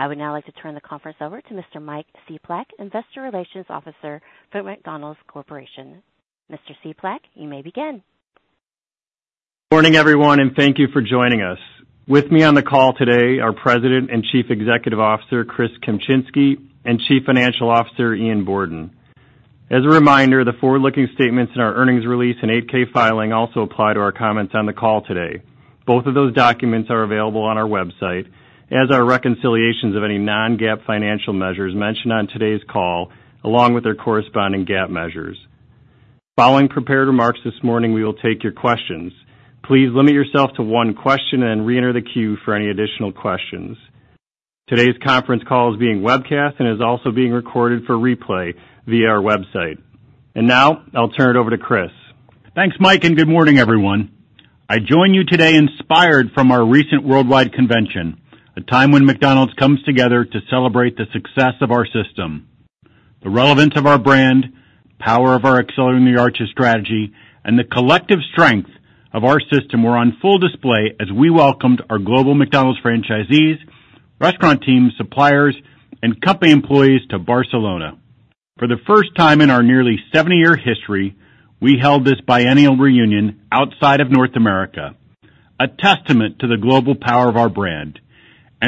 I would now like to turn the conference over to Mr. Mike Cieplak, Investor Relations Officer for McDonald's Corporation. Mr. Cieplak, you may begin. Good morning, everyone, and thank you for joining us. With me on the call today, our President and Chief Executive Officer, Chris Kempczinski, and Chief Financial Officer, Ian Borden. As a reminder, the forward-looking statements in our earnings release and 8-K filing also apply to our comments on the call today. Both of those documents are available on our website, as are reconciliations of any non-GAAP financial measures mentioned on today's call, along with their corresponding GAAP measures. Following prepared remarks this morning, we will take your questions. Please limit yourself to one question and reenter the queue for any additional questions. Today's conference call is being webcast and is also being recorded for replay via our website. Now, I'll turn it over to Chris. Thanks, Mike, and good morning, everyone. I join you today inspired from our recent worldwide convention, a time when McDonald's comes together to celebrate the success of our system. The relevance of our brand, power of our Accelerating the Arches strategy, and the collective strength of our system were on full display as we welcomed our global McDonald's franchisees, restaurant teams, suppliers, and company employees to Barcelona. For the first time in our nearly 70-year history, we held this biennial reunion outside of North America, a testament to the global power of our brand.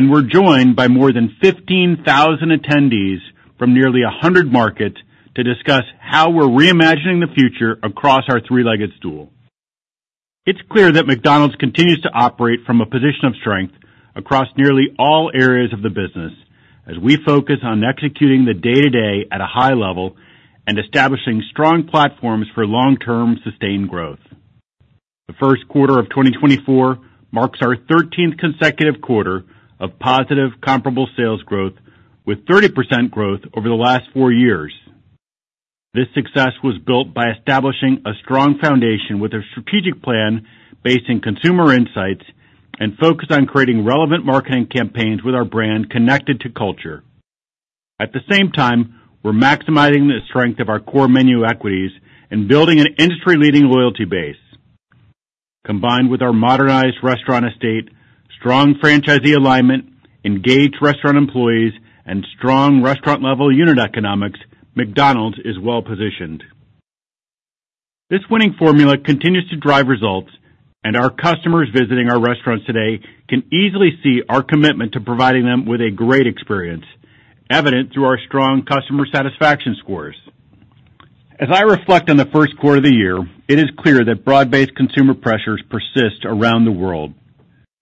We're joined by more than 15,000 attendees from nearly 100 markets to discuss how we're reimagining the future across our three-legged stool. It's clear that McDonald's continues to operate from a position of strength across nearly all areas of the business as we focus on executing the day-to-day at a high level and establishing strong platforms for long-term, sustained growth. The first quarter of 2024 marks our 13th consecutive quarter of positive comparable sales growth, with 30% growth over the last 4 years. This success was built by establishing a strong foundation with a strategic plan based in consumer insights and focused on creating relevant marketing campaigns with our brand connected to culture. At the same time, we're maximizing the strength of our core menu equities and building an industry-leading loyalty base. Combined with our modernized restaurant estate, strong franchisee alignment, engaged restaurant employees, and strong restaurant-level unit economics, McDonald's is well positioned. This winning formula continues to drive results, and our customers visiting our restaurants today can easily see our commitment to providing them with a great experience, evident through our strong customer satisfaction scores. As I reflect on the first quarter of the year, it is clear that broad-based consumer pressures persist around the world.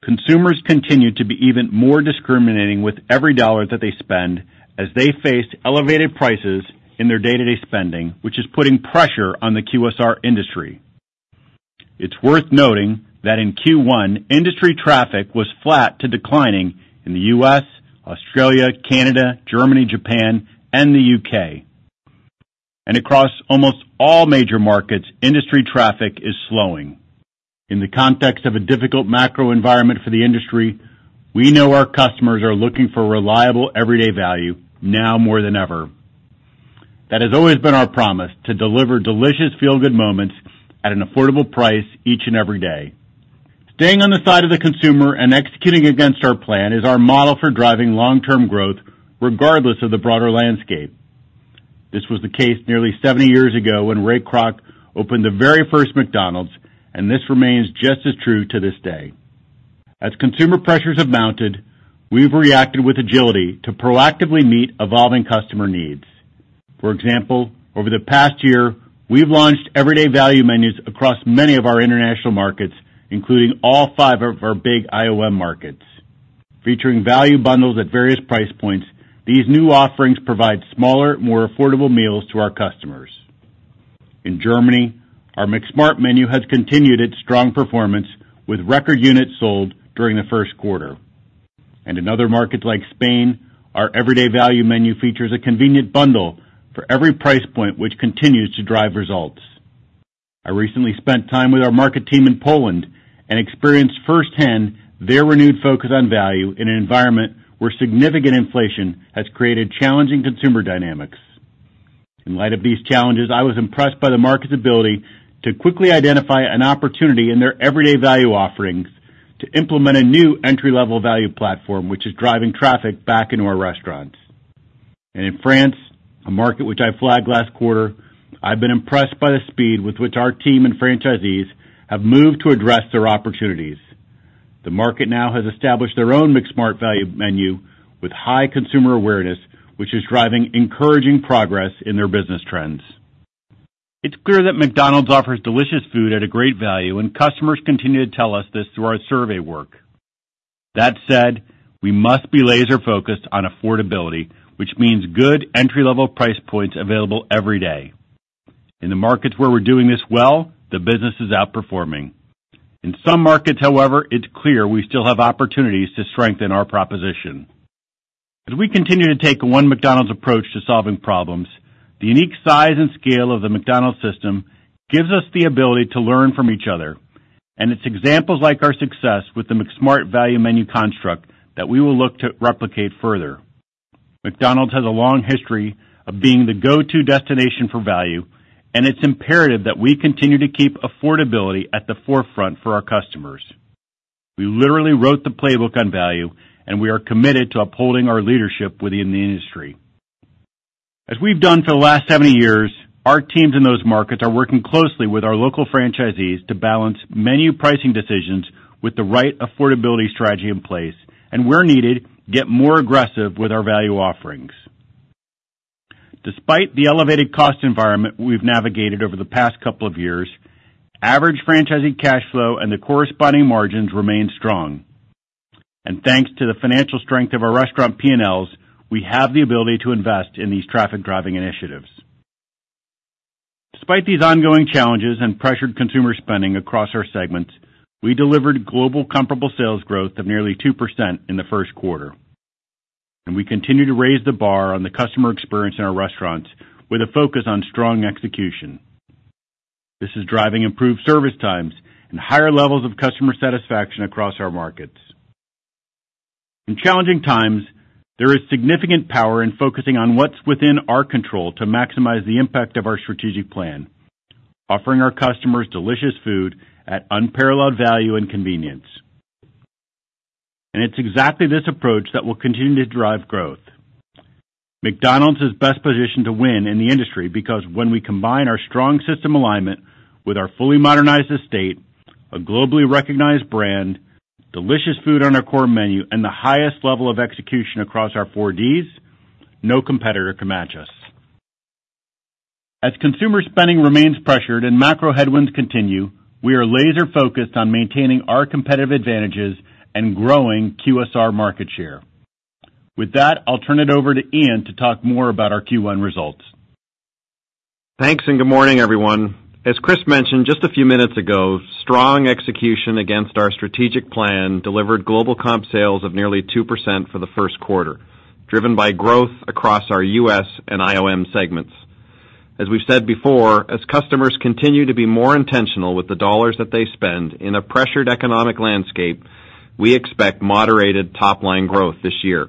Consumers continue to be even more discriminating with every dollar that they spend as they face elevated prices in their day-to-day spending, which is putting pressure on the QSR industry. It's worth noting that in Q1, industry traffic was flat to declining in the U.S., Australia, Canada, Germany, Japan, and the U.K. Across almost all major markets, industry traffic is slowing. In the context of a difficult macro environment for the industry, we know our customers are looking for reliable, everyday value, now more than ever. That has always been our promise, to deliver delicious, feel-good moments at an affordable price each and every day. Staying on the side of the consumer and executing against our plan is our model for driving long-term growth, regardless of the broader landscape. This was the case nearly 70 years ago when Ray Kroc opened the very first McDonald's, and this remains just as true to this day. As consumer pressures have mounted, we've reacted with agility to proactively meet evolving customer needs. For example, over the past year, we've launched everyday value menus across many of our international markets, including all five of our big IOM markets. Featuring value bundles at various price points, these new offerings provide smaller, more affordable meals to our customers. In Germany, our McSmart menu has continued its strong performance, with record units sold during the first quarter. In other markets like Spain, our everyday value menu features a convenient bundle for every price point, which continues to drive results. I recently spent time with our market team in Poland and experienced firsthand their renewed focus on value in an environment where significant inflation has created challenging consumer dynamics. In light of these challenges, I was impressed by the market's ability to quickly identify an opportunity in their everyday value offerings to implement a new entry-level value platform, which is driving traffic back into our restaurants. In France, a market which I flagged last quarter, I've been impressed by the speed with which our team and franchisees have moved to address their opportunities. The market now has established their own McSmart value menu with high consumer awareness, which is driving encouraging progress in their business trends. It's clear that McDonald's offers delicious food at a great value, and customers continue to tell us this through our survey work. That said, we must be laser focused on affordability, which means good entry-level price points available every day. In the markets where we're doing this well, the business is outperforming. In some markets, however, it's clear we still have opportunities to strengthen our proposition. As we continue to take a one McDonald's approach to solving problems, the unique size and scale of the McDonald's system gives us the ability to learn from each other, and it's examples like our success with the McSmart Value Menu construct that we will look to replicate further.... McDonald's has a long history of being the go-to destination for value, and it's imperative that we continue to keep affordability at the forefront for our customers. We literally wrote the playbook on value, and we are committed to upholding our leadership within the industry. As we've done for the last 70 years, our teams in those markets are working closely with our local franchisees to balance menu pricing decisions with the right affordability strategy in place, and where needed, get more aggressive with our value offerings. Despite the elevated cost environment we've navigated over the past couple of years, average franchisee cash flow and the corresponding margins remain strong. Thanks to the financial strength of our restaurant P&Ls, we have the ability to invest in these traffic-driving initiatives. Despite these ongoing challenges and pressured consumer spending across our segments, we delivered global comparable sales growth of nearly 2% in the first quarter, and we continue to raise the bar on the customer experience in our restaurants with a focus on strong execution. This is driving improved service times and higher levels of customer satisfaction across our markets. In challenging times, there is significant power in focusing on what's within our control to maximize the impact of our strategic plan, offering our customers delicious food at unparalleled value and convenience. It's exactly this approach that will continue to drive growth. McDonald's is best positioned to win in the industry, because when we combine our strong system alignment with our fully modernized estate, a globally recognized brand, delicious food on our core menu, and the highest level of execution across our Four Ds, no competitor can match us. As consumer spending remains pressured and macro headwinds continue, we are laser-focused on maintaining our competitive advantages and growing QSR market share. With that, I'll turn it over to Ian to talk more about our Q1 results. Thanks, and good morning, everyone. As Chris mentioned just a few minutes ago, strong execution against our strategic plan delivered global comp sales of nearly 2% for the first quarter, driven by growth across our US and IOM segments. As we've said before, as customers continue to be more intentional with the dollars that they spend in a pressured economic landscape, we expect moderated top-line growth this year.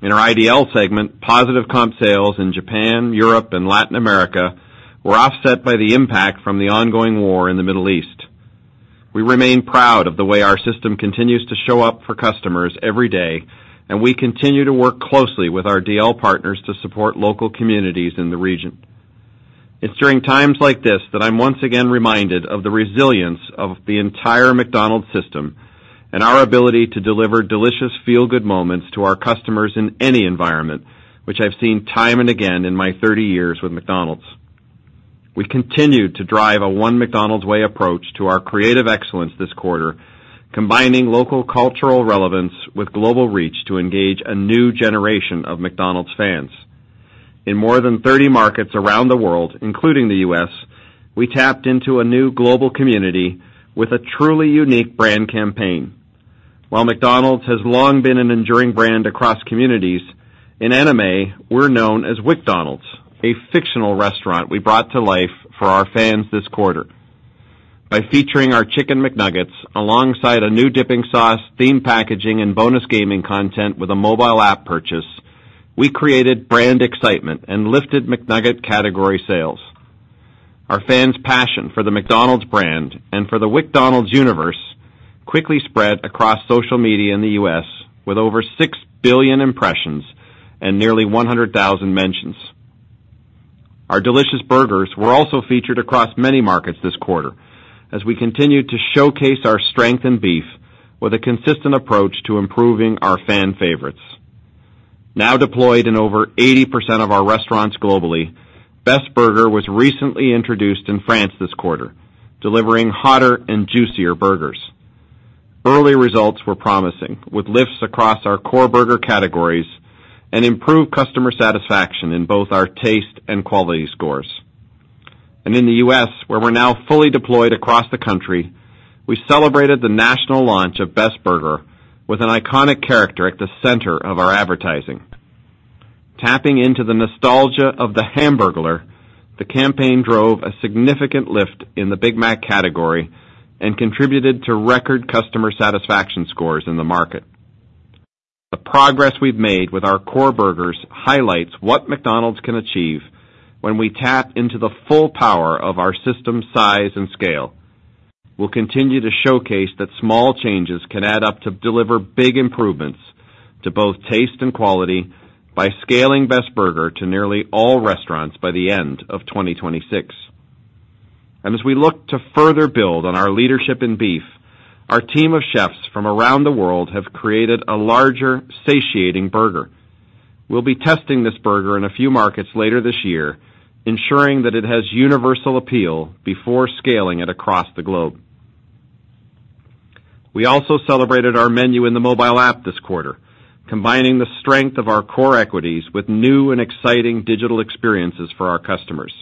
In our IDL segment, positive comp sales in Japan, Europe, and Latin America were offset by the impact from the ongoing war in the Middle East. We remain proud of the way our system continues to show up for customers every day, and we continue to work closely with our DL partners to support local communities in the region. It's during times like this that I'm once again reminded of the resilience of the entire McDonald's system and our ability to deliver delicious, feel-good moments to our customers in any environment, which I've seen time and again in my 30 years with McDonald's. We continued to drive a one McDonald's way approach to our creative excellence this quarter, combining local cultural relevance with global reach to engage a new generation of McDonald's fans. In more than 30 markets around the world, including the US, we tapped into a new global community with a truly unique brand campaign. While McDonald's has long been an enduring brand across communities, in anime, we're known as McDonald's, a fictional restaurant we brought to life for our fans this quarter. By featuring our Chicken McNuggets alongside a new dipping sauce, themed packaging, and bonus gaming content with a mobile app purchase, we created brand excitement and lifted McNugget category sales. Our fans' passion for the McDonald's brand and for the WcDonald's universe quickly spread across social media in the U.S., with over 6 billion impressions and nearly 100,000 mentions. Our delicious burgers were also featured across many markets this quarter, as we continued to showcase our strength in beef with a consistent approach to improving our fan favorites. Now deployed in over 80% of our restaurants globally, Best Burger was recently introduced in France this quarter, delivering hotter and juicier burgers. Early results were promising, with lifts across our core burger categories and improved customer satisfaction in both our taste and quality scores. In the US, where we're now fully deployed across the country, we celebrated the national launch of Best Burger with an iconic character at the center of our advertising. Tapping into the nostalgia of the Hamburglar, the campaign drove a significant lift in the Big Mac category and contributed to record customer satisfaction scores in the market. The progress we've made with our core burgers highlights what McDonald's can achieve when we tap into the full power of our system's size and scale. We'll continue to showcase that small changes can add up to deliver big improvements to both taste and quality by scaling Best Burger to nearly all restaurants by the end of 2026. And as we look to further build on our leadership in beef, our team of chefs from around the world have created a larger, satiating burger. We'll be testing this burger in a few markets later this year, ensuring that it has universal appeal before scaling it across the globe. We also celebrated our menu in the mobile app this quarter, combining the strength of our core equities with new and exciting digital experiences for our customers.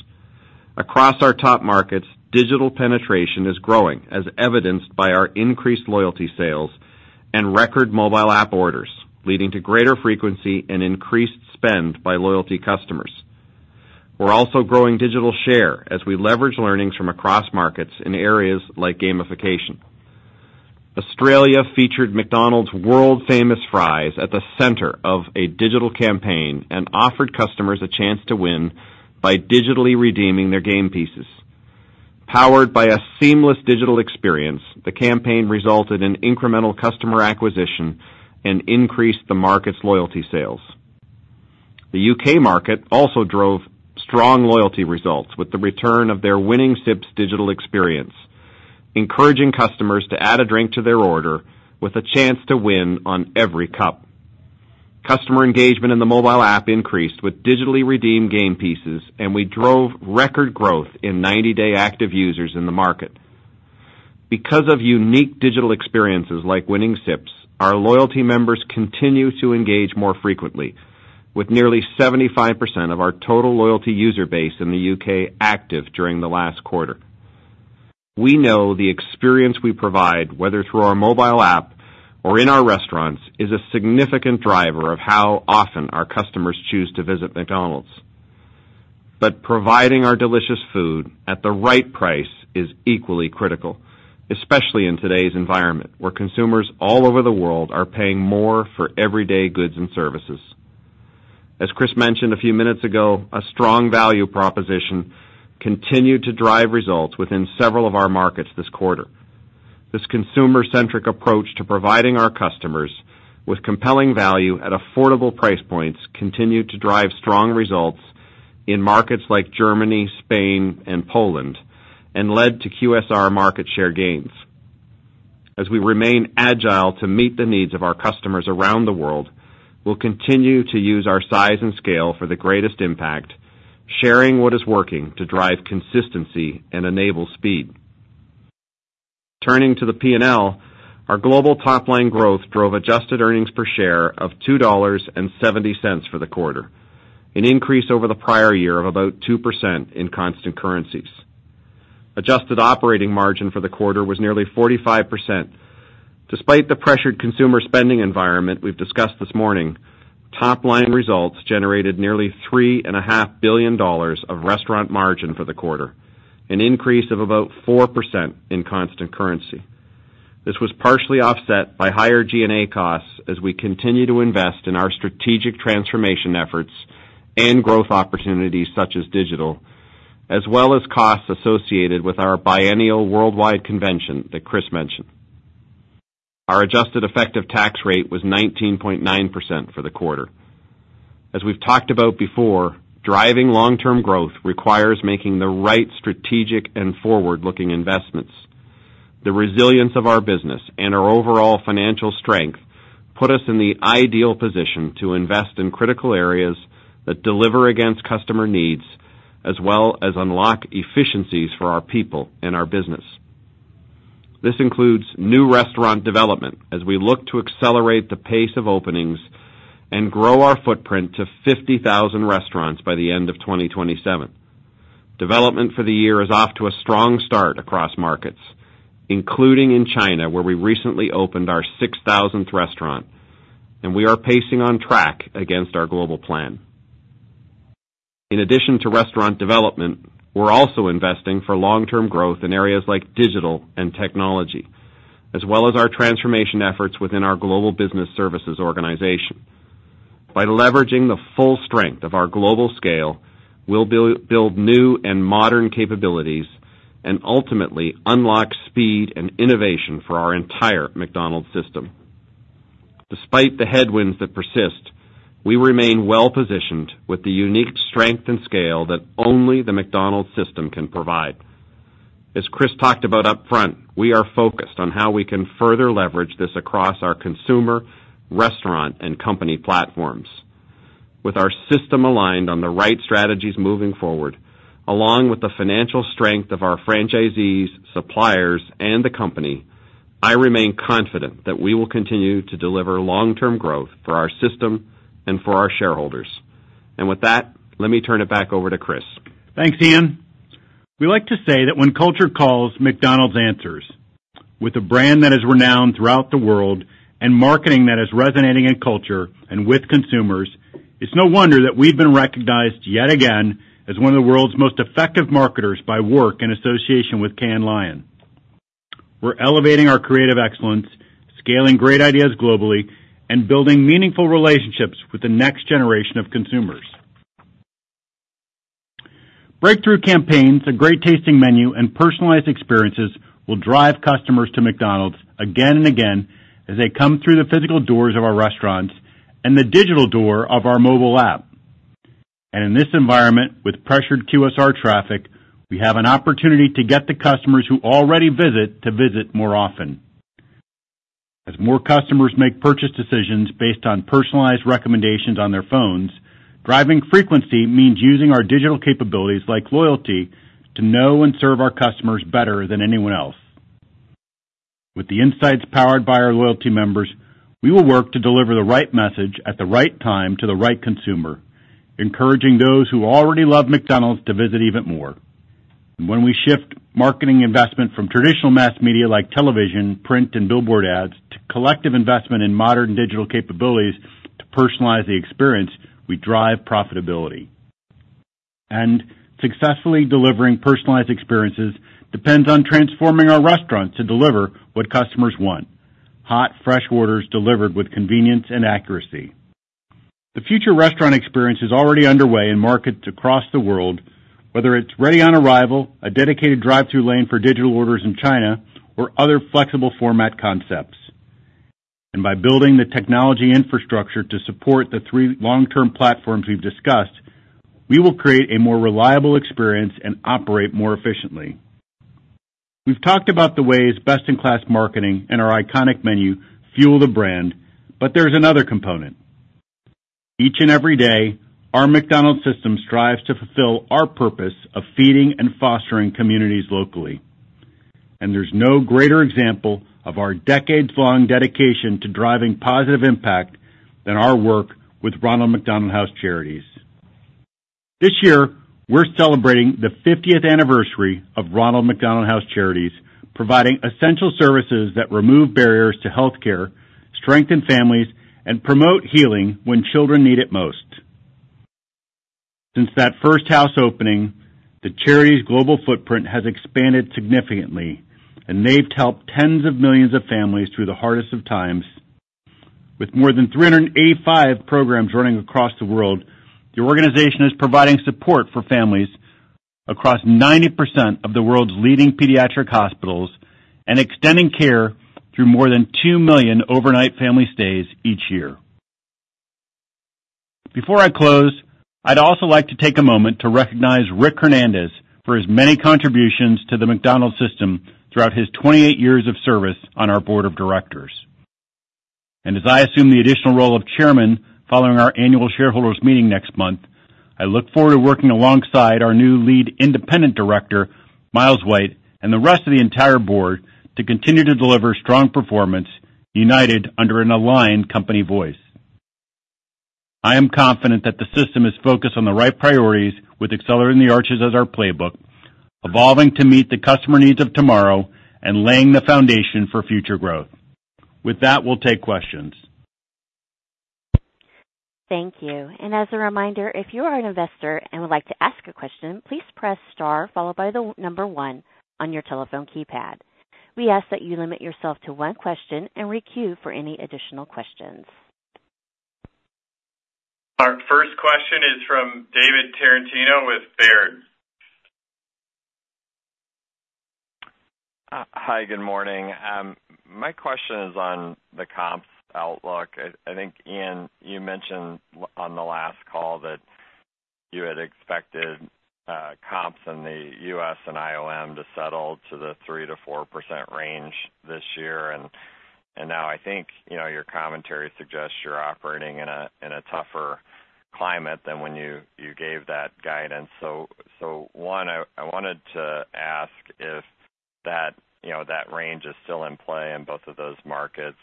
Across our top markets, digital penetration is growing, as evidenced by our increased loyalty sales and record mobile app orders, leading to greater frequency and increased spend by loyalty customers. We're also growing digital share as we leverage learnings from across markets in areas like gamification.... Australia featured McDonald's world-famous fries at the center of a digital campaign and offered customers a chance to win by digitally redeeming their game pieces. Powered by a seamless digital experience, the campaign resulted in incremental customer acquisition and increased the market's loyalty sales. The U.K. market also drove strong loyalty results with the return of their Winning Sips digital experience, encouraging customers to add a drink to their order with a chance to win on every cup. Customer engagement in the mobile app increased with digitally redeemed game pieces, and we drove record growth in 90-day active users in the market. Because of unique digital experiences like Winning Sips, our loyalty members continue to engage more frequently, with nearly 75% of our total loyalty user base in the U.K. active during the last quarter. We know the experience we provide, whether through our mobile app or in our restaurants, is a significant driver of how often our customers choose to visit McDonald's. But providing our delicious food at the right price is equally critical, especially in today's environment, where consumers all over the world are paying more for everyday goods and services. As Chris mentioned a few minutes ago, a strong value proposition continued to drive results within several of our markets this quarter. This consumer-centric approach to providing our customers with compelling value at affordable price points continued to drive strong results in markets like Germany, Spain, and Poland, and led to QSR market share gains. As we remain agile to meet the needs of our customers around the world, we'll continue to use our size and scale for the greatest impact, sharing what is working to drive consistency and enable speed. Turning to the P&L, our global top-line growth drove adjusted earnings per share of $2.70 for the quarter, an increase over the prior year of about 2% in constant currencies. Adjusted operating margin for the quarter was nearly 45%. Despite the pressured consumer spending environment we've discussed this morning, top-line results generated nearly $3.5 billion of restaurant margin for the quarter, an increase of about 4% in constant currency. This was partially offset by higher G&A costs as we continue to invest in our strategic transformation efforts and growth opportunities such as digital, as well as costs associated with our biennial worldwide convention that Chris mentioned. Our adjusted effective tax rate was 19.9% for the quarter. As we've talked about before, driving long-term growth requires making the right strategic and forward-looking investments. The resilience of our business and our overall financial strength put us in the ideal position to invest in critical areas that deliver against customer needs, as well as unlock efficiencies for our people and our business. This includes new restaurant development as we look to accelerate the pace of openings and grow our footprint to 50,000 restaurants by the end of 2027. Development for the year is off to a strong start across markets, including in China, where we recently opened our 6,000th restaurant, and we are pacing on track against our global plan. In addition to restaurant development, we're also investing for long-term growth in areas like digital and technology, as well as our transformation efforts within our global business services organization. By leveraging the full strength of our global scale, we'll build new and modern capabilities and ultimately unlock speed and innovation for our entire McDonald's system. Despite the headwinds that persist, we remain well positioned with the unique strength and scale that only the McDonald's system can provide. As Chris talked about upfront, we are focused on how we can further leverage this across our consumer, restaurant, and company platforms. With our system aligned on the right strategies moving forward, along with the financial strength of our franchisees, suppliers, and the company, I remain confident that we will continue to deliver long-term growth for our system and for our shareholders. With that, let me turn it back over to Chris. Thanks, Ian. We like to say that when culture calls, McDonald's answers. With a brand that is renowned throughout the world and marketing that is resonating in culture and with consumers, it's no wonder that we've been recognized yet again as one of the world's most effective marketers by WARC in association with Cannes Lions. We're elevating our creative excellence, scaling great ideas globally, and building meaningful relationships with the next generation of consumers. Breakthrough campaigns, a great tasting menu, and personalized experiences will drive customers to McDonald's again and again as they come through the physical doors of our restaurants and the digital door of our mobile app. In this environment, with pressured QSR traffic, we have an opportunity to get the customers who already visit to visit more often. As more customers make purchase decisions based on personalized recommendations on their phones, driving frequency means using our digital capabilities, like loyalty, to know and serve our customers better than anyone else. With the insights powered by our loyalty members, we will work to deliver the right message at the right time to the right consumer, encouraging those who already love McDonald's to visit even more. And when we shift marketing investment from traditional mass media like television, print, and billboard ads, to collective investment in modern digital capabilities to personalize the experience, we drive profitability. And successfully delivering personalized experiences depends on transforming our restaurants to deliver what customers want. Hot, fresh orders delivered with convenience and accuracy. The future restaurant experience is already underway in markets across the world, whether it's Ready on Arrival, a dedicated drive-thru lane for digital orders in China, or other flexible format concepts. By building the technology infrastructure to support the three long-term platforms we've discussed, we will create a more reliable experience and operate more efficiently. We've talked about the ways best-in-class marketing and our iconic menu fuel the brand, but there's another component. Each and every day, our McDonald's system strives to fulfill our purpose of feeding and fostering communities locally, and there's no greater example of our decades-long dedication to driving positive impact than our work with Ronald McDonald House Charities. This year, we're celebrating the fiftieth anniversary of Ronald McDonald House Charities, providing essential services that remove barriers to healthcare, strengthen families, and promote healing when children need it most. Since that first house opening, the charity's global footprint has expanded significantly, and they've helped tens of millions of families through the hardest of times. With more than 385 programs running across the world, the organization is providing support for families across 90% of the world's leading pediatric hospitals and extending care through more than 2 million overnight family stays each year. Before I close, I'd also like to take a moment to recognize Rick Hernandez for his many contributions to the McDonald's system throughout his 28 years of service on our board of directors. As I assume the additional role of Chairman following our annual shareholders meeting next month, I look forward to working alongside our new Lead Independent Director, Miles White, and the rest of the entire board to continue to deliver strong performance, united under an aligned company voice. I am confident that the system is focused on the right priorities with Accelerating the Arches as our playbook, evolving to meet the customer needs of tomorrow and laying the foundation for future growth. With that, we'll take questions. Thank you. As a reminder, if you are an investor and would like to ask a question, please press star followed by the number one on your telephone keypad. We ask that you limit yourself to one question and requeue for any additional questions. Our first question is from David Tarantino with Baird. Hi, good morning. My question is on the comps outlook. I think, Ian, you mentioned on the last call that you had expected comps in the US and IOM to settle to the 3%-4% range this year, and now I think, you know, your commentary suggests you're operating in a tougher climate than when you gave that guidance. So, one, I wanted to ask if that, you know, that range is still in play in both of those markets,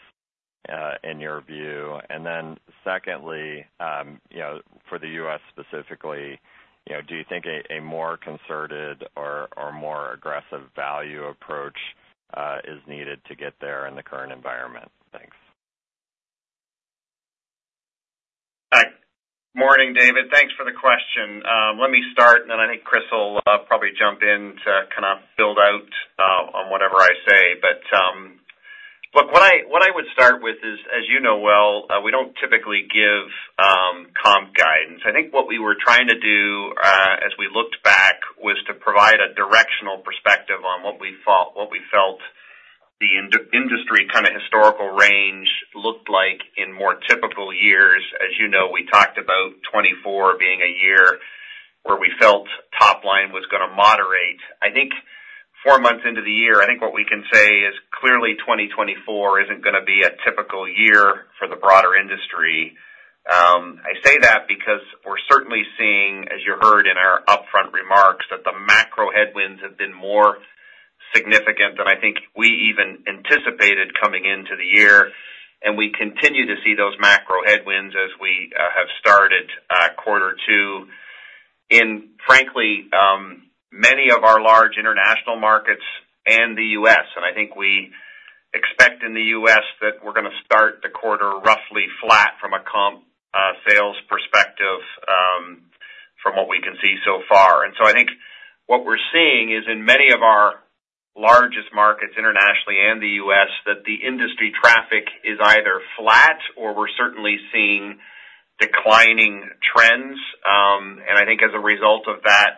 in your view? And then secondly, you know, for the US specifically, you know, do you think a more concerted or more aggressive value approach is needed to get there in the current environment? Thanks. Hi. Morning, David. Thanks for the question. Let me start, and then I think Chris will probably jump in to kind of build out on whatever I say. But look, what I would start with is, as you know well, we don't typically give comp guidance. I think what we were trying to do, as we looked back, was to provide a directional perspective on what we thought—what we felt the industry kind of historical range looked like in more typical years. As you know, we talked about 2024 being a year where we felt top line was gonna moderate. I think four months into the year, I think what we can say is clearly 2024 isn't gonna be a typical year for the broader industry. I say that because we're certainly seeing, as you heard in our upfront remarks, that the macro headwinds have been more significant than I think we even anticipated coming into the year. And we continue to see those macro headwinds as we have started quarter two in, frankly, many of our large international markets and the US. And I think we expect in the US that we're gonna start the quarter roughly flat from a comp sales perspective, from what we can see so far. And so I think what we're seeing is in many of our largest markets, internationally and the US, that the industry traffic is either flat or we're certainly seeing declining trends. And I think as a result of that,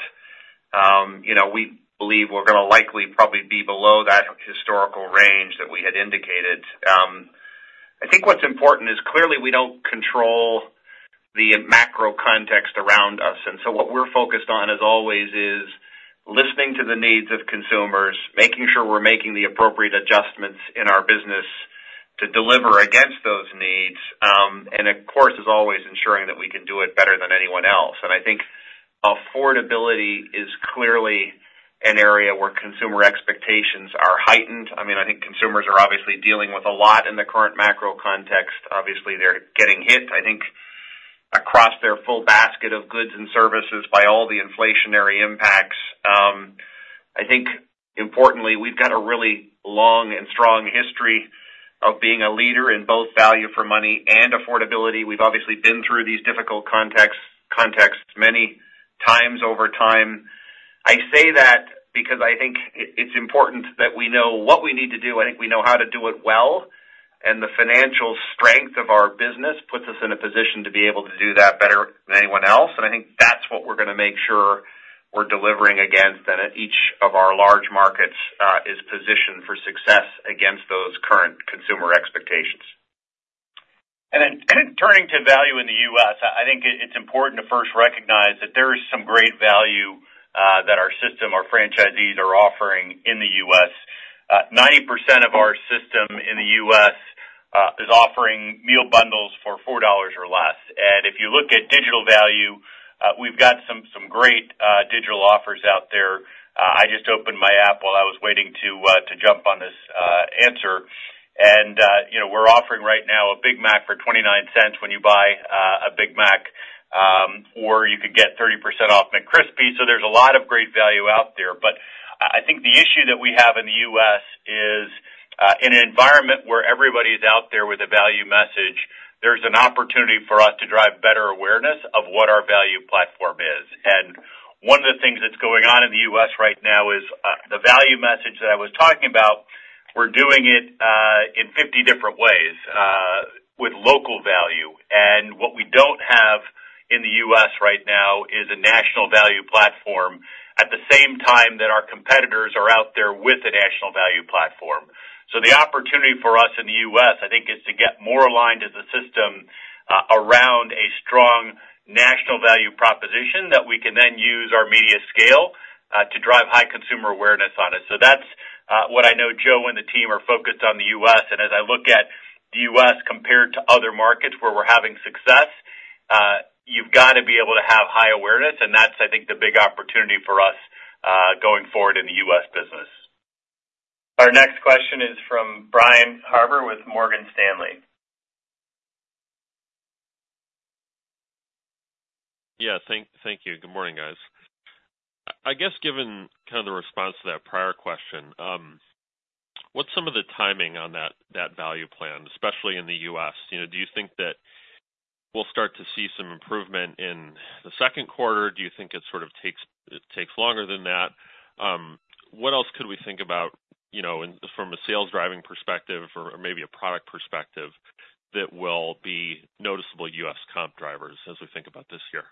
you know, we believe we're gonna likely probably be below that historical range that we had indicated. I think what's important is clearly we don't control the macro context around us, and so what we're focused on, as always, is listening to the needs of consumers, making sure we're making the appropriate adjustments in our business to deliver against those needs, and of course, as always, ensuring that we can do it better than anyone else. I think affordability is clearly an area where consumer expectations are heightened. I mean, I think consumers are obviously dealing with a lot in the current macro context. Obviously, they're getting hit, I think, across their full basket of goods and services by all the inflationary impacts.... I think importantly, we've got a really long and strong history of being a leader in both value for money and affordability. We've obviously been through these difficult contexts many times over time. I say that because I think it's important that we know what we need to do. I think we know how to do it well, and the financial strength of our business puts us in a position to be able to do that better than anyone else. And I think that's what we're gonna make sure we're delivering against, and that each of our large markets is positioned for success against those current consumer expectations. And then turning to value in the US, I think it's important to first recognize that there is some great value that our system, our franchisees are offering in the US. 90% of our system in the U.S. is offering meal bundles for $4 or less. And if you look at digital value, we've got some great digital offers out there. I just opened my app while I was waiting to jump on this answer. And you know, we're offering right now a Big Mac for $0.29 when you buy a Big Mac, or you could get 30% off McCrispy. So there's a lot of great value out there. But I think the issue that we have in the U.S. is, in an environment where everybody's out there with a value message, there's an opportunity for us to drive better awareness of what our value platform is. One of the things that's going on in the U.S. right now is the value message that I was talking about. We're doing it in 50 different ways with local value. What we don't have in the U.S. right now is a national value platform, at the same time that our competitors are out there with a national value platform. So the opportunity for us in the U.S., I think, is to get more aligned as a system around a strong national value proposition that we can then use our media scale to drive high consumer awareness on it. So that's what I know Joe and the team are focused on in the U.S. As I look at the US compared to other markets where we're having success, you've got to be able to have high awareness, and that's, I think, the big opportunity for us going forward in the US business. Our next question is from Brian Harbour with Morgan Stanley. Yeah, thank, thank you. Good morning, guys. I, I guess, given kind of the response to that prior question, what's some of the timing on that, that value plan, especially in the US? You know, do you think that we'll start to see some improvement in the second quarter? Do you think it sort of takes, it takes longer than that? What else could we think about, you know, from a sales driving perspective or, or maybe a product perspective, that will be noticeable US comp drivers as we think about this year?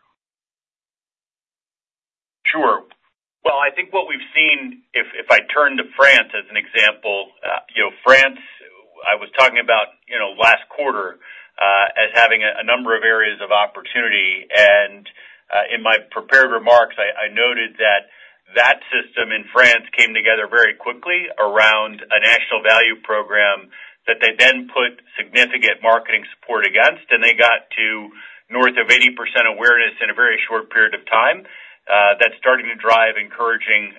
Sure. Well, I think what we've seen, if I turn to France as an example, you know, France, I was talking about, you know, last quarter, as having a number of areas of opportunity. In my prepared remarks, I noted that that system in France came together very quickly around a national value program that they then put significant marketing support against, and they got to north of 80% awareness in a very short period of time. That's starting to drive encouraging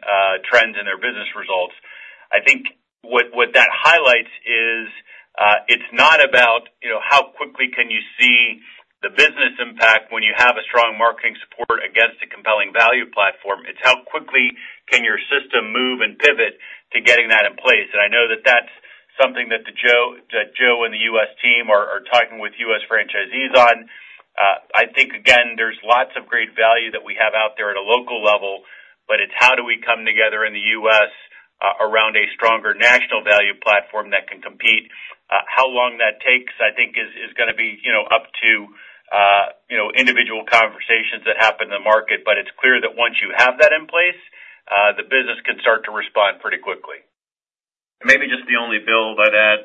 trends in their business results. I think what that highlights is, it's not about, you know, how quickly can you see the business impact when you have a strong marketing support against a compelling value platform. It's how quickly can your system move and pivot to getting that in place. I know that that's something that Joe and the US team are talking with US franchisees on. I think, again, there's lots of great value that we have out there at a local level, but it's how do we come together in the US around a stronger national value platform that can compete? How long that takes, I think, is gonna be, you know, up to you know individual conversations that happen in the market. But it's clear that once you have that in place, the business can start to respond pretty quickly. Maybe just the only bit I'd add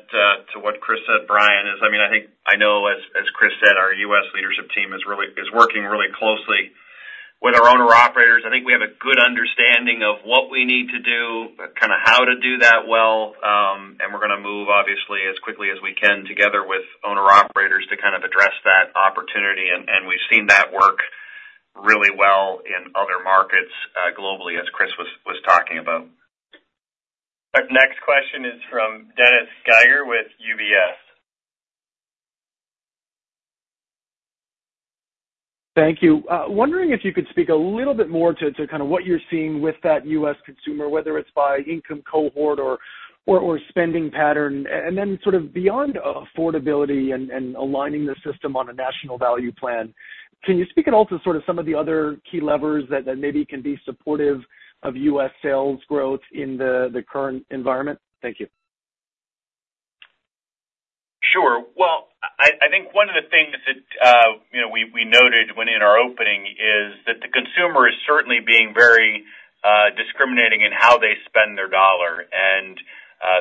to what Chris said, Brian, is, I mean, I think, as Chris said, our U.S. leadership team is really working really closely with our owner-operators. I think we have a good understanding of what we need to do, but kind of how to do that well. And we're gonna move, obviously, as quickly as we can together with owner-operators to kind of address that opportunity. And we've seen that work really well in other markets globally, as Chris was talking about. Our next question is from Dennis Geiger with UBS. Thank you. Wondering if you could speak a little bit more to kind of what you're seeing with that U.S. consumer, whether it's by income cohort or spending pattern. And then sort of beyond affordability and aligning the system on a national value plan, can you speak at all to sort of some of the other key levers that maybe can be supportive of U.S. sales growth in the current environment? Thank you. Sure. Well, I think one of the things that, you know, we noted when in our opening is that the consumer is certainly being very discriminating in how they spend their dollar. And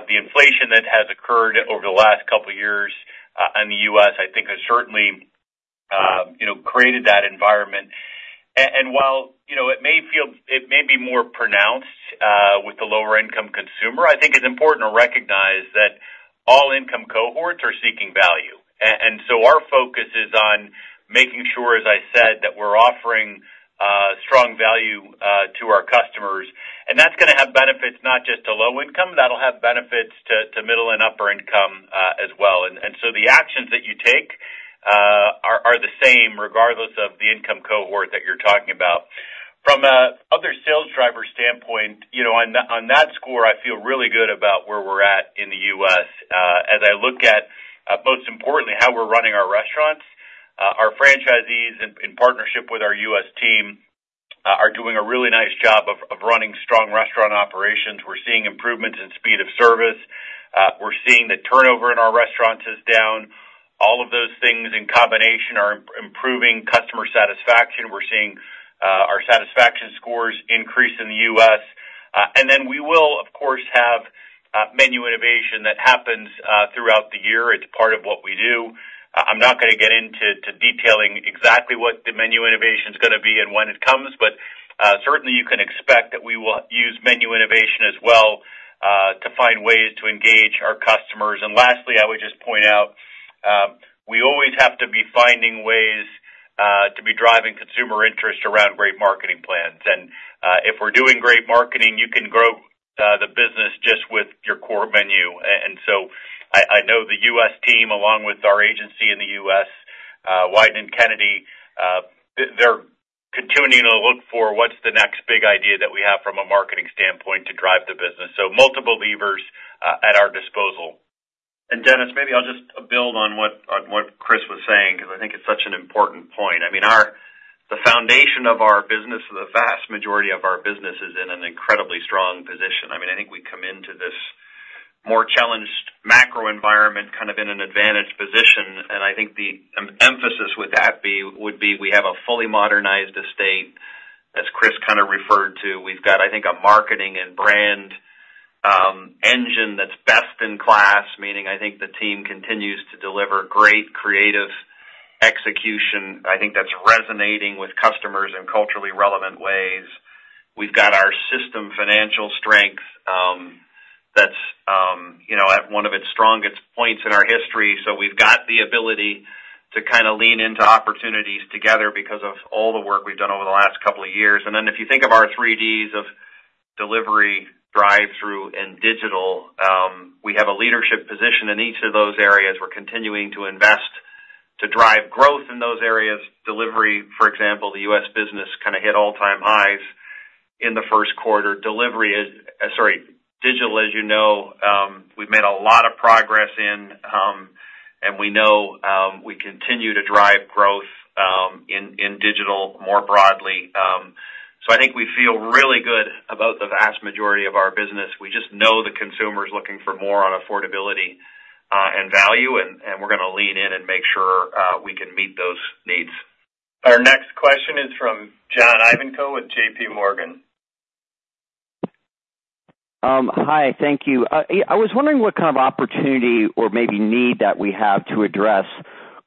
the inflation that has occurred over the last couple of years in the U.S., I think has certainly, you know, created that environment. And while, you know, it may feel—it may be more pronounced with the lower income consumer, I think it's important to recognize that all income cohorts are seeking value. And so our focus is on making sure, as I said, that we're offering strong value to our customers. And that's gonna have benefits, not just to low income, that'll have benefits to middle and upper income, as well. And so the ac-... regardless of the income cohort that you're talking about. From another sales driver standpoint, you know, on that, on that score, I feel really good about where we're at in the US. As I look at, most importantly, how we're running our restaurants, our franchisees in partnership with our US team are doing a really nice job of running strong restaurant operations. We're seeing improvements in speed of service. We're seeing the turnover in our restaurants is down. All of those things in combination are improving customer satisfaction. We're seeing our satisfaction scores increase in the US. And then we will, of course, have menu innovation that happens throughout the year. It's part of what we do. I'm not gonna get into detailing exactly what the menu innovation is gonna be and when it comes, but certainly, you can expect that we will use menu innovation as well to find ways to engage our customers. And lastly, I would just point out, we always have to be finding ways to be driving consumer interest around great marketing plans. And if we're doing great marketing, you can grow the business just with your core menu. And so I, I know the US team, along with our agency in the US, Wieden+Kennedy, they're continuing to look for what's the next big idea that we have from a marketing standpoint to drive the business. So multiple levers at our disposal. And Dennis, maybe I'll just build on what, on what Chris was saying, because I think it's such an important point. I mean, our, the foundation of our business, the vast majority of our business is in an incredibly strong position. I mean, I think we come into this more challenged macro environment, kind of in an advantaged position, and I think the emphasis with that would be, we have a fully modernized estate, as Chris kind of referred to. We've got, I think, a marketing and brand engine that's best in class, meaning, I think the team continues to deliver great creative execution. I think that's resonating with customers in culturally relevant ways. We've got our system financial strength, that's, you know, at one of its strongest points in our history. So we've got the ability to kinda lean into opportunities together because of all the work we've done over the last couple of years. And then, if you think of our three Ds of delivery, drive-through, and digital, we have a leadership position in each of those areas. We're continuing to invest to drive growth in those areas. Delivery, for example, the U.S. business kinda hit all-time highs in the first quarter. Delivery is... Sorry, digital, as you know, we've made a lot of progress in, and we know, we continue to drive growth, in, in digital more broadly. So I think we feel really good about the vast majority of our business. We just know the consumer is looking for more on affordability, and value, and, and we're gonna lean in and make sure, we can meet those needs. Our next question is from John Ivanko with JP Morgan. Hi, thank you. I was wondering what kind of opportunity or maybe need that we have to address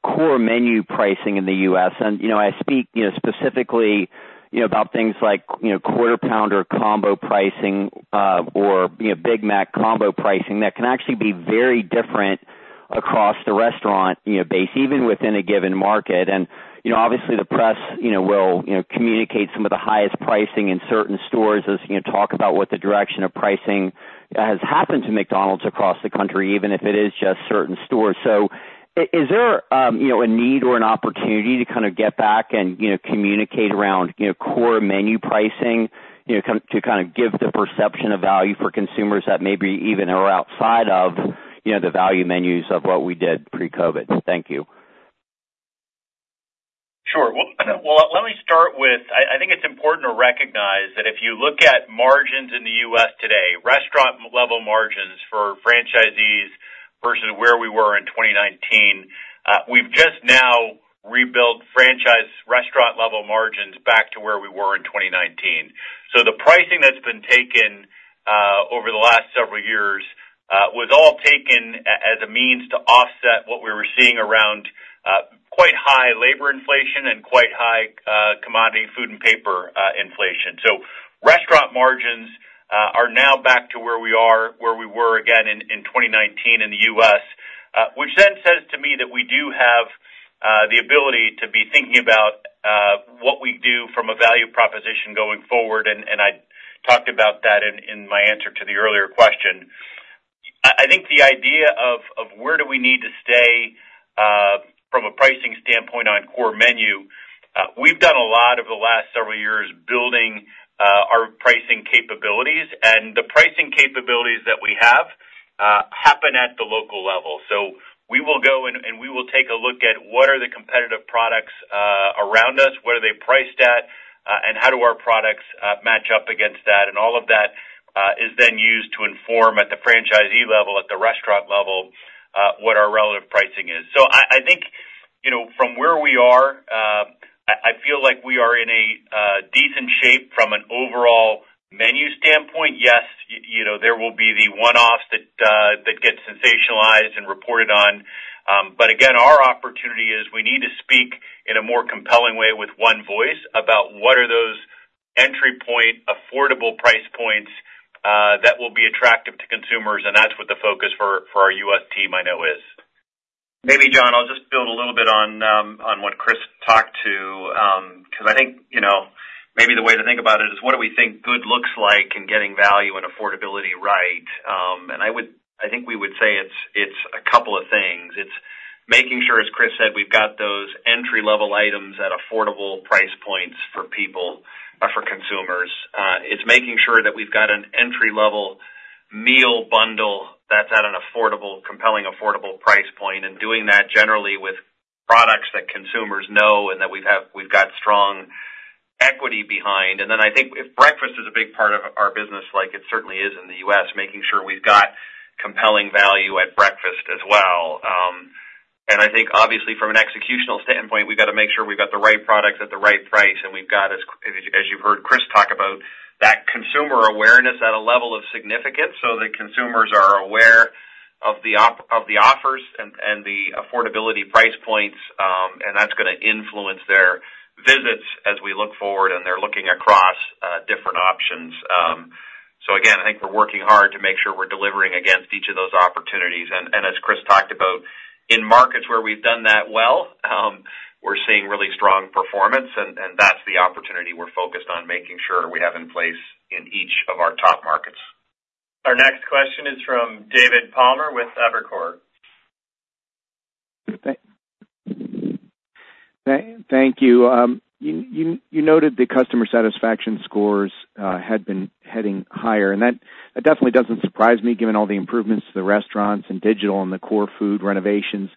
core menu pricing in the U.S. You know, I speak, you know, specifically, you know, about things like, you know, Quarter Pounder combo pricing, or, you know, Big Mac combo pricing, that can actually be very different across the restaurant, you know, base, even within a given market. You know, obviously, the press, you know, will, you know, communicate some of the highest pricing in certain stores as you know, talk about what the direction of pricing has happened to McDonald's across the country, even if it is just certain stores. So is there, you know, a need or an opportunity to kinda get back and, you know, communicate around, you know, core menu pricing, you know, to kinda give the perception of value for consumers that maybe even are outside of, you know, the value menus of what we did pre-COVID? Thank you. Sure. Well, let me start with, I think it's important to recognize that if you look at margins in the U.S. today, restaurant level margins for franchisees versus where we were in 2019, we've just now rebuilt franchise restaurant-level margins back to where we were in 2019. So the pricing that's been taken over the last several years was all taken as a means to offset what we were seeing around quite high labor inflation and quite high commodity food and paper inflation. So restaurant margins are now back to where we were again in 2019 in the U.S. Which then says to me that we do have the ability to be thinking about what we do from a value proposition going forward, and I talked about that in my answer to the earlier question. I think the idea of where do we need to stay from a pricing standpoint on core menu. We've done a lot over the last several years building our pricing capabilities, and the pricing capabilities that we have happen at the local level. So we will go and we will take a look at what are the competitive products around us, what are they priced at, and how do our products match up against that? And all of that is then used to inform at the franchisee level, at the restaurant level what our relative pricing is. So I think, you know, from where we are, I feel like we are in a decent shape from an overall menu standpoint. Yes, you know, there will be the one-offs that get sensationalized and reported on. But again, our opportunity is we need to speak in a more compelling way with one voice about what are those entry point, affordable price points that will be attractive to consumers, and that's what the focus for our US team I know is. Maybe, John, I'll just build a little bit on what Chris talked to, because I think, you know, maybe the way to think about it is, what do we think good looks- like and getting value and affordability right. And I would, I think we would say it's a couple of things. It's making sure, as Chris said, we've got those entry-level items at affordable price points for people, for consumers. It's making sure that we've got an entry-level meal bundle that's at an affordable, compelling, affordable price point, and doing that generally with products that consumers know and that we've got strong equity behind. And then I think if breakfast is a big part of our business, like it certainly is in the U.S., making sure we've got compelling value at breakfast as well. And I think obviously from an executional standpoint, we've got to make sure we've got the right products at the right price, and we've got, as you've heard Chris talk about, that consumer awareness at a level of significance, so that consumers are aware of the offers and the affordability price points, and that's gonna influence their visits as we look forward and they're looking across different options. So again, I think we're working hard to make sure we're delivering against each of those opportunities. And as Chris talked about, in markets where we've done that well, we're seeing really strong performance, and that's the opportunity we're focused on making sure we have in place in each of our top markets. Our next question is from David Palmer, with Evercore. Thank you. You noted the customer satisfaction scores had been heading higher, and that definitely doesn't surprise me, given all the improvements to the restaurants and digital and the core food renovations.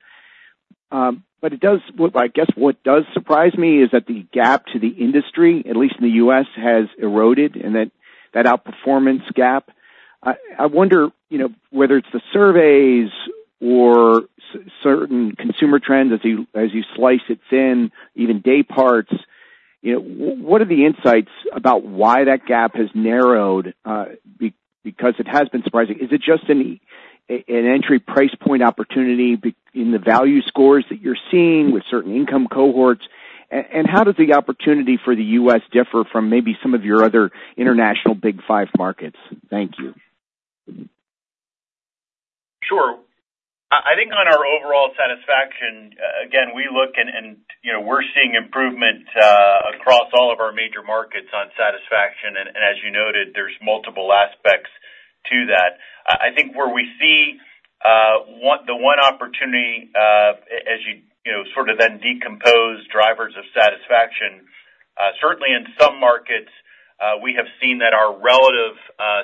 But it does. Well, I guess what does surprise me is that the gap to the industry, at least in the U.S., has eroded, and that outperformance gap. I wonder, you know, whether it's the surveys or certain consumer trends as you slice it thin, even day parts, you know, what are the insights about why that gap has narrowed? Because it has been surprising. Is it just an entry price point opportunity in the value scores that you're seeing with certain income cohorts? How does the opportunity for the U.S. differ from maybe some of your other international Big Five markets? Thank you. Sure. I think on our overall satisfaction, again, we look and, you know, we're seeing improvement across all of our major markets on satisfaction, and as you noted, there's multiple aspects to that. I think where we see one opportunity, as you know, sort of then decompose drivers of satisfaction, certainly in some markets, we have seen that our relative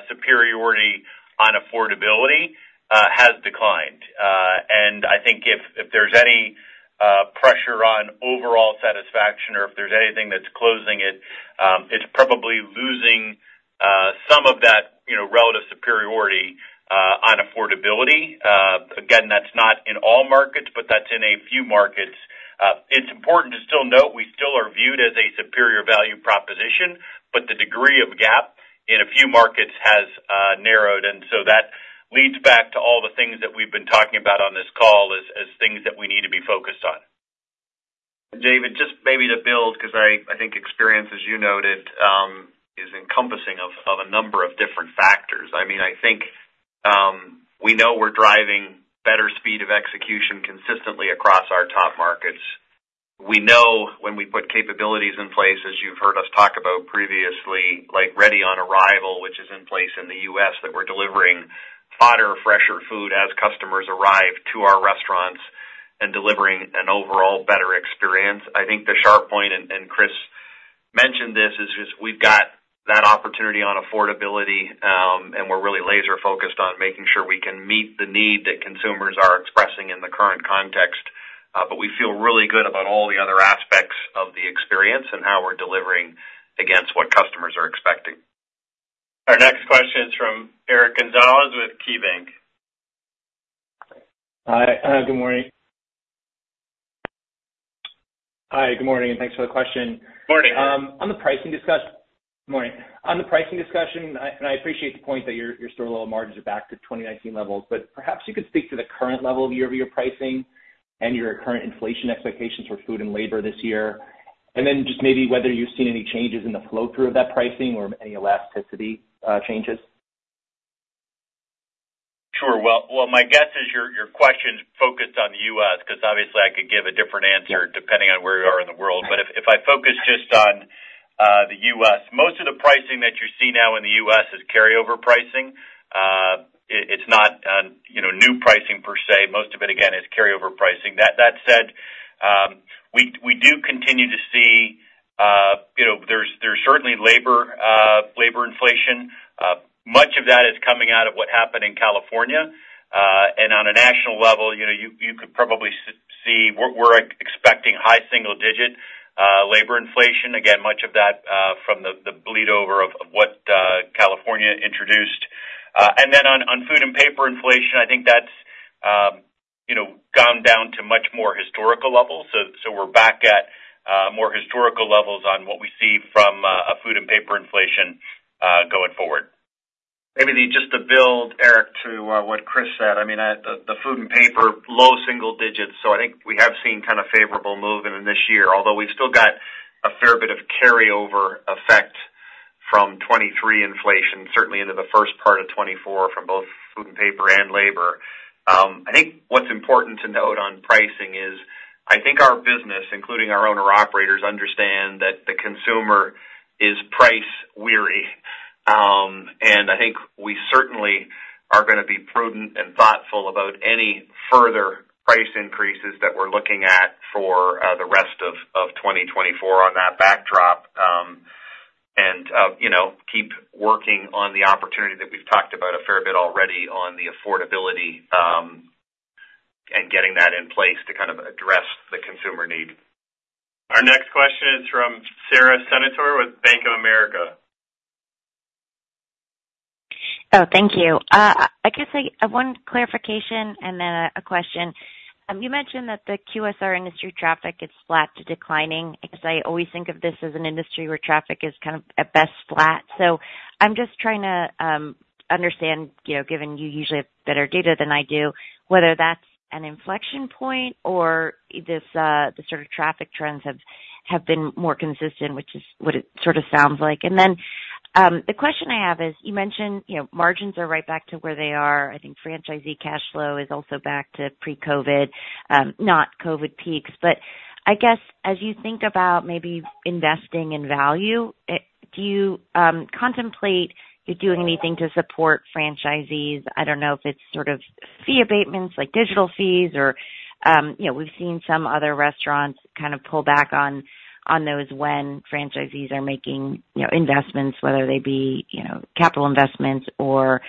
superiority on affordability has declined. And I think if there's any pressure on overall satisfaction or if there's anything that's closing it, it's probably losing some of that, you know, relative superiority on affordability. Again, that's not in all markets, but that's in a few markets. It's important to still note, we still are viewed as a superior value proposition, but the degree of gap in a few markets has narrowed, and so that leads back to all the things that we've been talking about on this call as things that we need to be focused on. David, just maybe to build, because I think experience, as you noted, is encompassing of a number of different factors. I mean, I think we know we're driving better speed of execution consistently across our top markets. We know when we put capabilities in place, as you've heard us talk about previously, like Ready on Arrival, which is in place in the U.S., that we're delivering hotter, fresher food as customers arrive to our restaurants and delivering an overall better experience. I think the sharp point, and Chris mentioned this, is just we've got that opportunity on affordability, and we're really laser focused on making sure we can meet the need that consumers are expressing in the current context. But we feel really good about all the other aspects of the experience and how we're delivering against what customers are expecting. Our next question is from Eric Gonzalez with KeyBanc. Hi, good morning. Hi, good morning, and thanks for the question. Morning. Good morning. On the pricing discussion, and I appreciate the point that your store level margins are back to 2019 levels, but perhaps you could speak to the current level of year-over-year pricing and your current inflation expectations for food and labor this year. And then just maybe whether you've seen any changes in the flow through of that pricing or any elasticity changes. Sure. Well, my guess is your question is focused on the U.S., because obviously I could give a different answer- Yeah. Depending on where you are in the world. But if I focus just on the U.S., most of the pricing that you see now in the U.S. is carryover pricing. It's not, you know, new pricing per se. Most of it, again, is carryover pricing. That said, we do continue to see, you know, there's certainly labor inflation. Much of that is coming out of what happened in California. And on a national level, you know, you could probably see we're expecting high single digit labor inflation. Again, much of that from the bleed over of what California introduced. And then on food and paper inflation, I think that's, you know, gone down to much more historical levels. So, we're back at more historical levels on what we see from a food and paper inflation going forward. Maybe just to build, Eric, to what Chris said, I mean, the food and paper, low single digits, so I think we have seen kind of favorable movement in this year, although we've still got a fair bit of carryover effect from 2023 inflation, certainly into the first part of 2024 from both food and paper and labor. I think what's important to note on pricing. I think our business, including our owner-operators, understand that the consumer is price weary. And I think we certainly are going to be prudent and thoughtful about any further price increases that we're looking at for the rest of 2024 on that backdrop. You know, keep working on the opportunity that we've talked about a fair bit already on the affordability, and getting that in place to kind of address the consumer need. Our next question is from Sara Senatore with Bank of America. Oh, thank you. I guess I have one clarification and then a question. You mentioned that the QSR industry traffic is flat to declining, because I always think of this as an industry where traffic is kind of at best flat. So I'm just trying to understand, you know, given you usually have better data than I do, whether that's an inflection point or this the sort of traffic trends have been more consistent, which is what it sort of sounds like. And then the question I have is, you mentioned, you know, margins are right back to where they are. I think franchisee cash flow is also back to pre-COVID, not COVID peaks. But I guess, as you think about maybe investing in value, do you contemplate doing anything to support franchisees? I don't know if it's sort of fee abatements, like digital fees or, you know, we've seen some other restaurants kind of pull back on those when franchisees are making, you know, investments, whether they be, you know, capital investments or,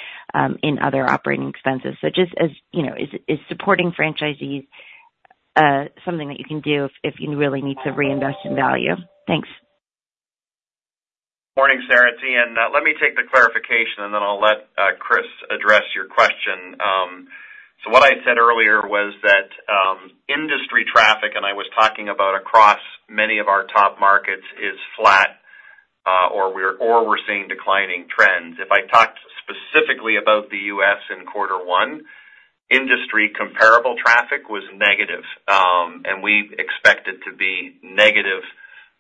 in other operating expenses. So just as, you know, is supporting franchisees, something that you can do if you really need to reinvest in value? Thanks. Morning, Sara, it's Ian. Let me take the clarification, and then I'll let Chris address your question. So what I said earlier was that industry traffic, and I was talking about across many of our top markets, is flat, or we're seeing declining trends. If I talked specifically about the U.S. in quarter one, industry comparable traffic was negative, and we expect it to be negative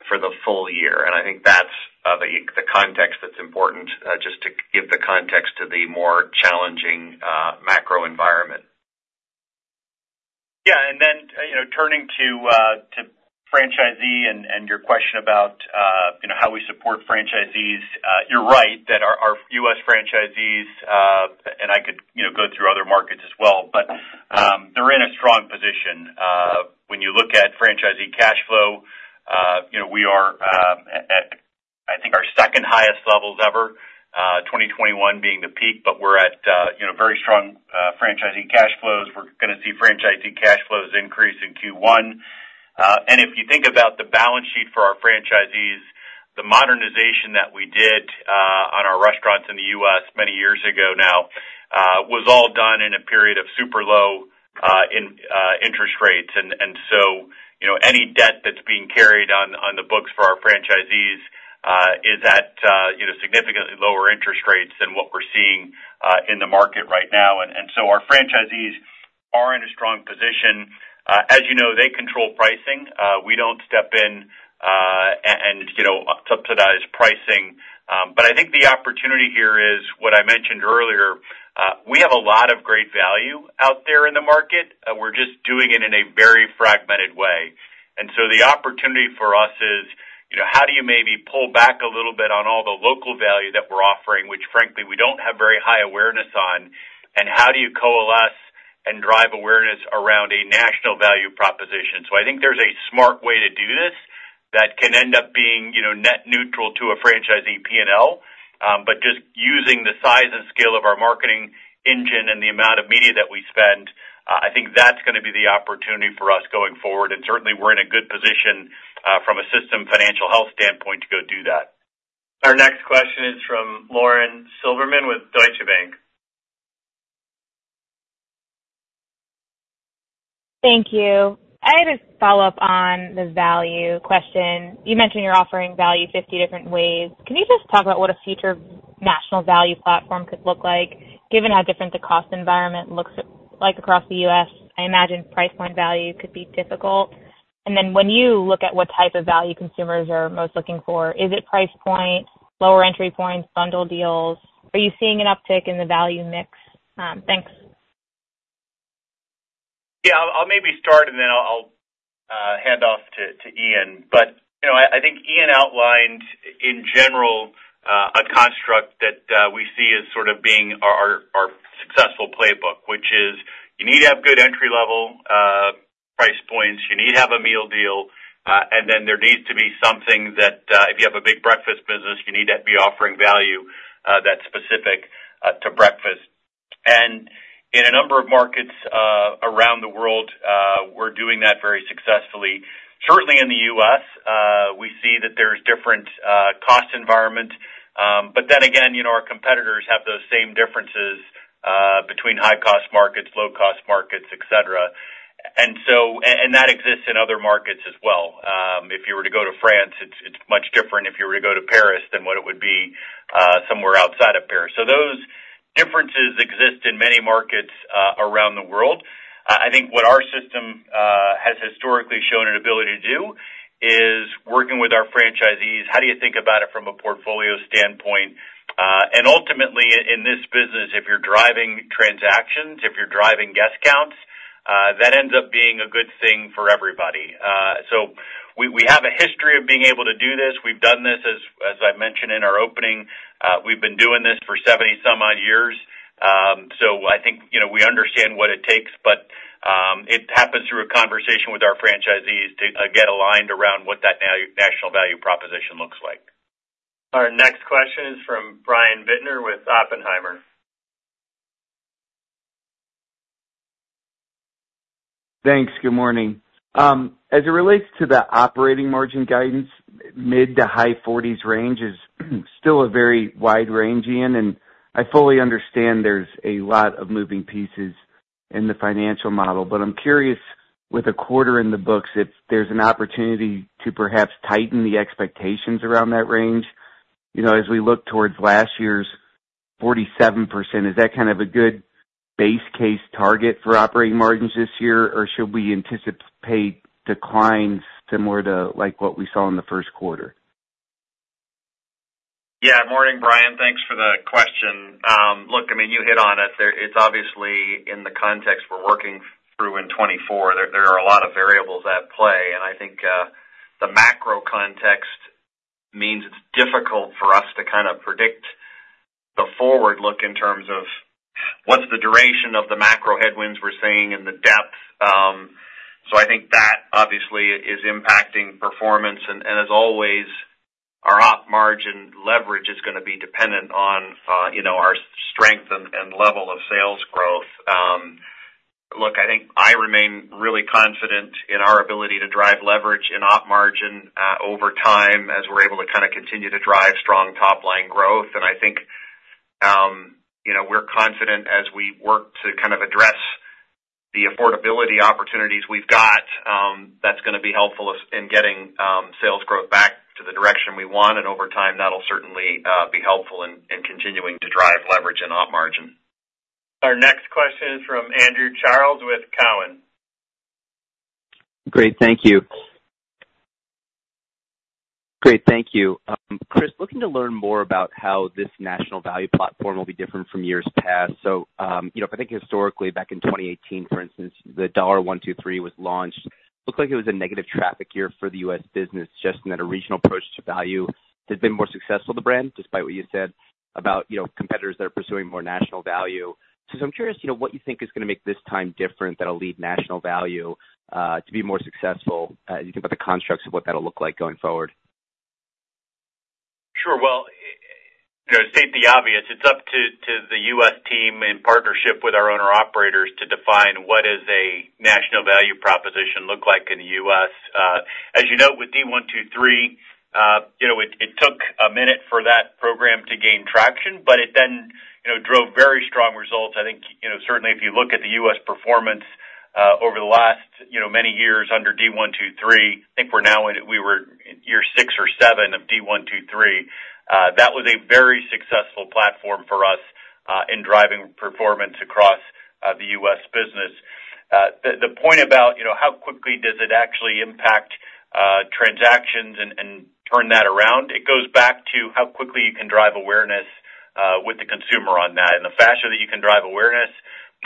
for the full year. I think that's the context that's important, just to give the context to the more challenging macro environment. Yeah, and then, you know, turning to franchisees and your question about, you know, how we support franchisees. You're right, that our U.S. franchisees, and I could, you know, go through other markets as well, but they're in a strong position. When you look at franchisee cash flow, you know, we are at, I think our second highest levels ever, 2021 being the peak, but we're at, you know, very strong, franchisee cash flows. We're going to see franchisee cash flows increase in Q1. And if you think about the balance sheet for our franchisees, the modernization that we did, on our restaurants in the U.S. many years ago now, was all done in a period of super low interest rates. And so, you know, any debt that's being carried on, on the books for our franchisees, is at, you know, significantly lower interest rates than what we're seeing, in the market right now. And so our franchisees are in a strong position. As you know, they control pricing. We don't step in, and, you know, subsidize pricing. But I think the opportunity here is what I mentioned earlier, we have a lot of great value out there in the market, and we're just doing it in a very fragmented way. And so the opportunity for us is, you know, how do you maybe pull back a little bit on all the local value that we're offering, which frankly, we don't have very high awareness on, and how do you coalesce and drive awareness around a national value proposition? So I think there's a smart way to do this that can end up being, you know, net neutral to a franchisee P&L. But just using the size and scale of our marketing engine and the amount of media that we spend, I think that's going to be the opportunity for us going forward. And certainly, we're in a good position, from a system financial health standpoint to go do that. Our next question is from Lauren Silberman with Deutsche Bank. Thank you. I just follow up on the value question. You mentioned you're offering value 50 different ways. Can you just talk about what a future national value platform could look like, given how different the cost environment looks like across the U.S.? I imagine price point value could be difficult. And then when you look at what type of value consumers are most looking for, is it price point, lower entry points, bundle deals? Are you seeing an uptick in the value mix? Thanks. Yeah, I'll maybe start and then I'll hand off to Ian. But, you know, I think Ian outlined in general a construct that we see as sort of being our successful playbook, which is you need to have good entry-level price points, you need to have a meal deal, and then there needs to be something that if you have a big breakfast business, you need to be offering value that's specific to breakfast. And in a number of markets around the world, we're doing that very successfully. Certainly in the U.S., we see that there's different cost environment, but then again, you know, our competitors have those same differences between high-cost markets, low-cost markets, et cetera. And so, and that exists in other markets as well. If you were to go to France, it's much different if you were to go to Paris than what it would be somewhere outside of Paris. So those differences exist in many markets around the world. I think what our system has historically shown an ability to do is working with our franchisees, how do you think about it from a portfolio standpoint... and ultimately, in this business, if you're driving transactions, if you're driving guest counts, that ends up being a good thing for everybody. So we have a history of being able to do this. We've done this as I mentioned in our opening. We've been doing this for 70 some odd years. So I think, you know, we understand what it takes, but it happens through a conversation with our franchisees to get aligned around what that national value proposition looks like. Our next question is from Brian Bittner with Oppenheimer. Thanks. Good morning. As it relates to the operating margin guidance, mid- to high-40s range is still a very wide range, Ian, and I fully understand there's a lot of moving pieces in the financial model. But I'm curious, with a quarter in the books, if there's an opportunity to perhaps tighten the expectations around that range? You know, as we look towards last year's 47%, is that kind of a good base case target for operating margins this year, or should we anticipate declines similar to like what we saw in the first quarter? Yeah. Morning, Brian. Thanks for the question. Look, I mean, you hit on it there. It's obviously in the context we're working through in 2024, there, there are a lot of variables at play, and I think, the macro context means it's difficult for us to kind of predict the forward look in terms of what's the duration of the macro headwinds we're seeing and the depth. So I think that obviously is impacting performance. And, and as always, our op margin leverage is gonna be dependent on, you know, our strength and, and level of sales growth. Look, I think I remain really confident in our ability to drive leverage in op margin, over time, as we're able to kind of continue to drive strong top line growth. And I think, you know, we're confident as we work to kind of address the affordability opportunities we've got, that's gonna be helpful as in getting sales growth back to the direction we want, and over time, that'll certainly be helpful in continuing to drive leverage and op margin. Our next question is from Andrew Charles with Cowen. Great. Thank you. Great. Thank you. Chris, looking to learn more about how this national value platform will be different from years past. So, you know, I think historically, back in 2018, for instance, the $1 $2 $3 Three was launched. Looked like it was a negative traffic year for the US business, just in that a regional approach to value had been more successful to brand, despite what you said about, you know, competitors that are pursuing more national value. So I'm curious, you know, what you think is gonna make this time different that'll lead national value to be more successful, you think about the constructs of what that'll look like going forward? Sure. Well, you know, to state the obvious, it's up to the U.S. team in partnership with our owner-operators to define what does a national value proposition look like in the U.S. As you know, with the $1 $2 $3, you know, it took a minute for that program to gain traction, but it then, you know, drove very strong results. I think, you know, certainly if you look at the U.S. performance over the last, you know, many years under D One, Two, Three, I think we were in year six or seven of D One, Two, Three. That was a very successful platform for us in driving performance across the U.S. business. The point about, you know, how quickly does it actually impact transactions and turn that around, it goes back to how quickly you can drive awareness with the consumer on that. And the faster that you can drive awareness,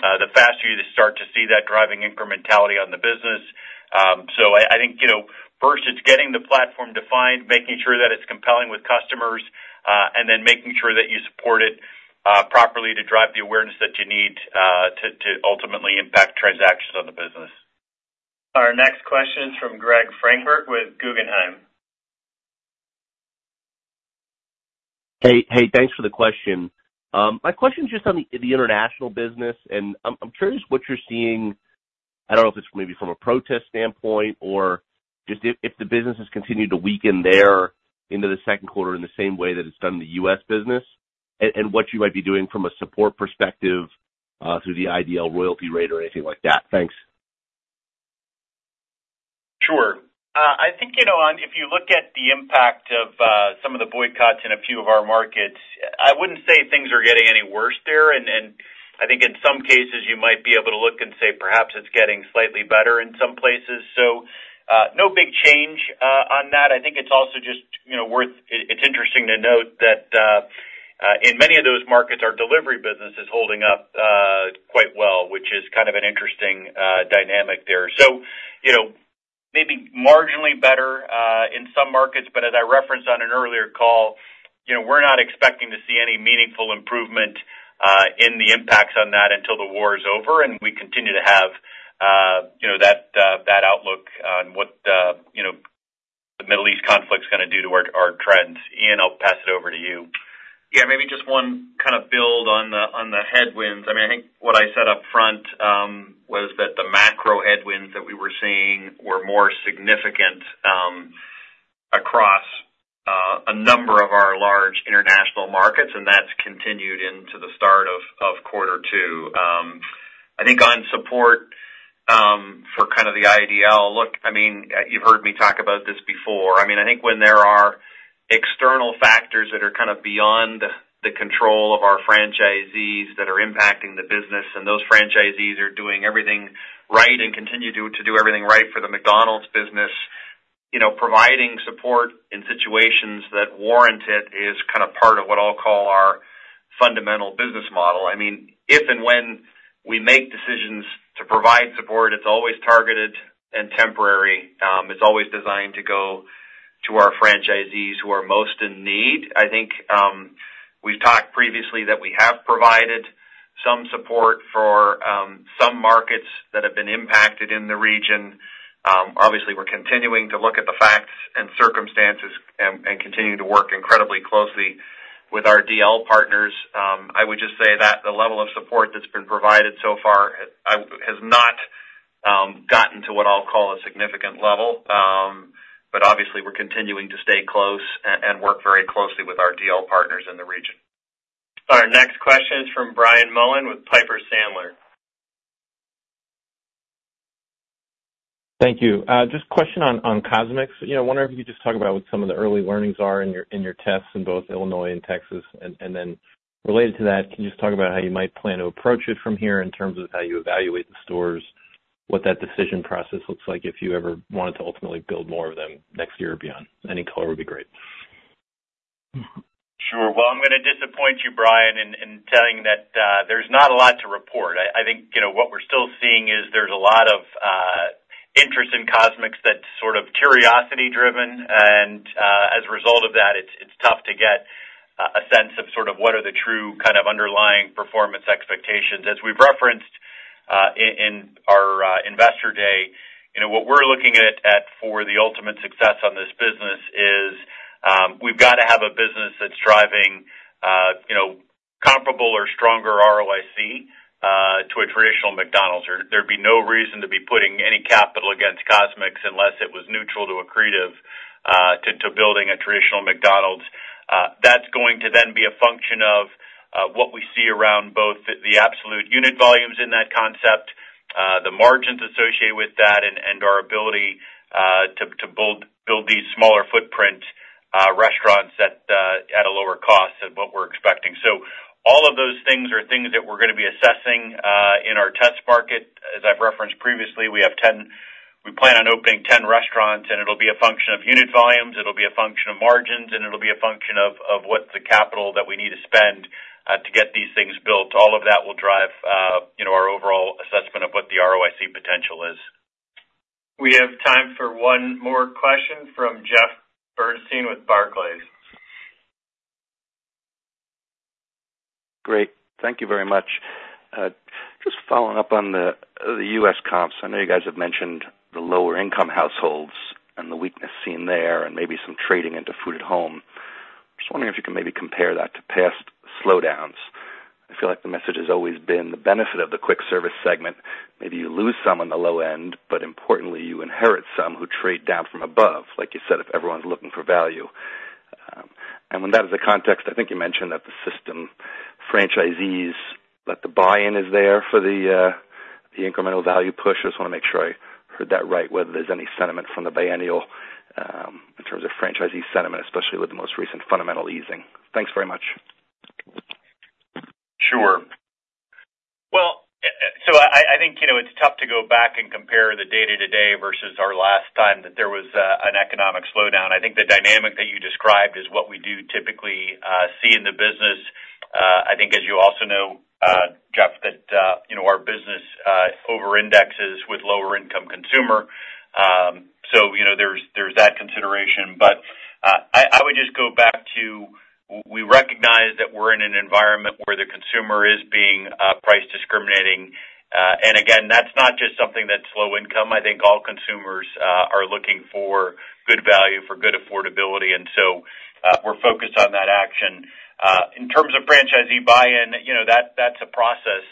the faster you start to see that driving incrementality on the business. So I think, you know, first it's getting the platform defined, making sure that it's compelling with customers, and then making sure that you support it properly to drive the awareness that you need to ultimately impact transactions on the business. Our next question is from Greg Francfort with Guggenheim. Hey, hey, thanks for the question. My question is just on the international business, and I'm curious what you're seeing. I don't know if it's maybe from a protest standpoint or just if the business has continued to weaken there into the second quarter in the same way that it's done in the U.S. business, and what you might be doing from a support perspective through the IDL royalty rate or anything like that. Thanks. Sure. I think, you know, on, if you look at the impact of some of the boycotts in a few of our markets, I wouldn't say things are getting any worse there. And I think in some cases you might be able to look and say, perhaps it's getting slightly better in some places. So, no big change on that. I think it's also just, you know, worth it. It's interesting to note that in many of those markets, our delivery business is holding up quite well, which is kind of an interesting dynamic there. So, you know, maybe marginally better in some markets, but as I referenced on an earlier call, you know, we're not expecting to see any meaningful improvement in the impacts on that until the war is over, and we continue to have, you know, that outlook on what, you know, the Middle East conflict is gonna do to our, our trends. Ian, I'll pass it over to you. Yeah, maybe just one kind of build on the headwinds. I mean, I think what I said up front was that the macro headwinds that we were seeing were more significant across a number of our large international markets, and that's continued into the start of quarter two. I think on support for kind of the IDL, look, I mean, you've heard me talk about this before. I mean, I think when there are external factors that are kind of beyond the control of our franchisees that are impacting the business, and those franchisees are doing everything right and continue to do everything right for the McDonald's business-... you know, providing support in situations that warrant it is kind of part of what I'll call our fundamental business model. I mean, if and when we make decisions to provide support, it's always targeted and temporary. It's always designed to go to our franchisees who are most in need. I think, we've talked previously that we have provided some support for, some markets that have been impacted in the region. Obviously, we're continuing to look at the facts and circumstances and continue to work incredibly closely with our DL partners. I would just say that the level of support that's been provided so far has not gotten to what I'll call a significant level. But obviously, we're continuing to stay close and work very closely with our DL partners in the region. Our next question is from Brian Mullan with Piper Sandler. Thank you. Just a question on CosMc's. You know, I wonder if you could just talk about what some of the early learnings are in your tests in both Illinois and Texas. And then related to that, can you just talk about how you might plan to approach it from here in terms of how you evaluate the stores, what that decision process looks like if you ever wanted to ultimately build more of them next year or beyond? Any color would be great. Sure. Well, I'm gonna disappoint you, Brian, in telling that there's not a lot to report. I think, you know, what we're still seeing is there's a lot of interest in CosMc's that's sort of curiosity driven, and as a result of that, it's tough to get a sense of sort of what are the true kind of underlying performance expectations. As we've referenced in our Investor Day, you know, what we're looking at for the ultimate success on this business is we've got to have a business that's driving, you know, comparable or stronger ROIC to a traditional McDonald's, or there'd be no reason to be putting any capital against CosMc's unless it was neutral to accretive to building a traditional McDonald's. That's going to then be a function of what we see around both the absolute unit volumes in that concept, the margins associated with that, and our ability to build these smaller footprint restaurants at a lower cost than what we're expecting. So all of those things are things that we're gonna be assessing in our test market. As I've referenced previously, we have 10—we plan on opening 10 restaurants, and it'll be a function of unit volumes, it'll be a function of margins, and it'll be a function of what the capital that we need to spend to get these things built. All of that will drive you know our overall assessment of what the ROIC potential is. We have time for one more question from Jeff Bernstein with Barclays. Great. Thank you very much. Just following up on the U.S. comps, I know you guys have mentioned the lower income households and the weakness seen there, and maybe some trading into food at home. Just wondering if you can maybe compare that to past slowdowns. I feel like the message has always been the benefit of the quick service segment, maybe you lose some on the low end, but importantly, you inherit some who trade down from above, like you said, if everyone's looking for value. And when that is the context, I think you mentioned that the system franchisees, that the buy-in is there for the incremental value push. I just wanna make sure I heard that right, whether there's any sentiment from the biennial, in terms of franchisee sentiment, especially with the most recent fundamental easing. Thanks very much. Sure. Well, so I think, you know, it's tough to go back and compare the day-to-day versus our last time that there was an economic slowdown. I think the dynamic that you described is what we do typically see in the business. I think, as you also know, Jeff, that, you know, our business over-indexes with lower income consumer. So, you know, there's that consideration. But, I would just go back to, we recognize that we're in an environment where the consumer is being price discriminating. And again, that's not just something that's low income. I think all consumers are looking for good value, for good affordability, and so, we're focused on that action. In terms of franchisee buy-in, you know, that's a process,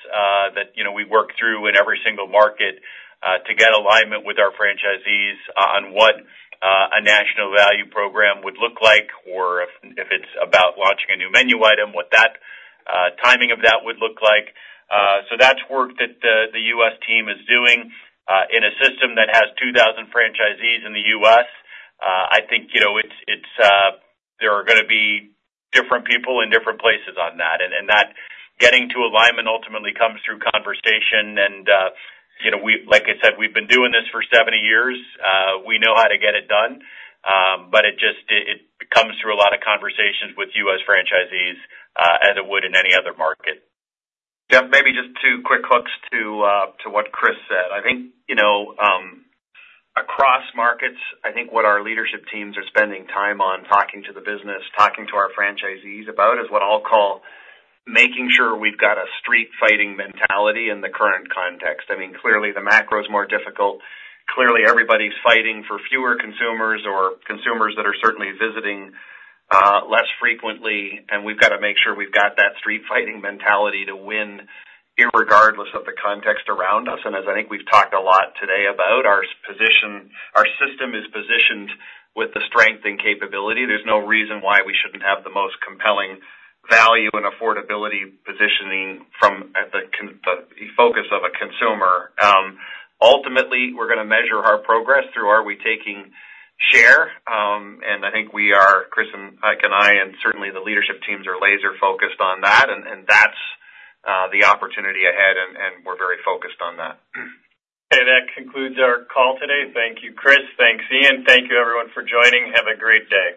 that, you know, we work through in every single market, to get alignment with our franchisees on what, a national value program would look like, or if, if it's about launching a new menu item, what that, timing of that would look like. So that's work that the U.S. team is doing. In a system that has 2,000 franchisees in the U.S., I think, you know, it's, there are gonna be different people in different places on that, and that getting to alignment ultimately comes through conversation. And, you know, we, like I said, we've been doing this for 70 years, we know how to get it done. But it comes through a lot of conversations with U.S. franchisees, as it would in any other market. Jeff, maybe just two quick hooks to what Chris said. I think, you know, across markets, I think what our leadership teams are spending time on, talking to the business, talking to our franchisees about, is what I'll call making sure we've got a street fighting mentality in the current context. I mean, clearly, the macro is more difficult. Clearly, everybody's fighting for fewer consumers or consumers that are certainly visiting less frequently, and we've got to make sure we've got that street fighting mentality to win irregardless of the context around us. As I think we've talked a lot today about our position—our system is positioned with the strength and capability. There's no reason why we shouldn't have the most compelling value and affordability positioning from the focus of a consumer. Ultimately, we're gonna measure our progress through, are we taking share? And I think we are, Chris and Mike and I, and certainly the leadership teams are laser focused on that, and that's the opportunity ahead, and we're very focused on that. Okay. That concludes our call today. Thank you, Chris. Thanks, Ian. Thank you, everyone, for joining. Have a great day.